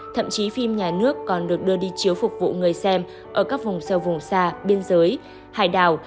thậm chí phim nhà nước còn được đưa đi chiếu phục vụ người xem ở các vùng sâu vùng xa biên giới hải đảo